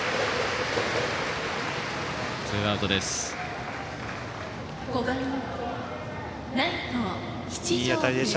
ツーアウトです。